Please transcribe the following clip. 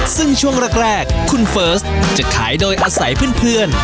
ซึ่งช่วงแรกคุณเฟิร์สจะขายโดยอาศัยเพื่อน